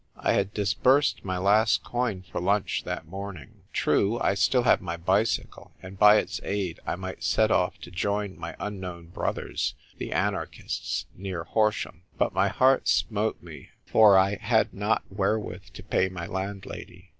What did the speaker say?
I had disbursed my last coin for lunch that morning. True, I had still my bicycle ; and by its aid I might set off to join my unknown brothers, the anarchists, near Horsham. But my heart smote me, for I had not wherewith to pay my landlady.